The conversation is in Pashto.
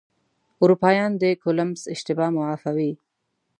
اروپایان د کولمبس اشتباه معافوي.